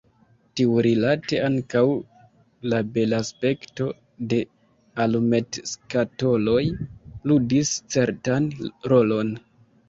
Tiurilate ankaŭ la belaspekto de alumetskatoloj ludis certan rolon.